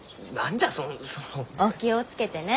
お気を付けてね。